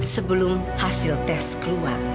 sebelum hasil tes keluar